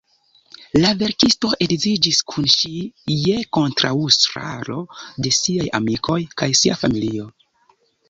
La verkisto edziĝis kun ŝi je kontraŭstaro de siaj amikoj kaj sia familio.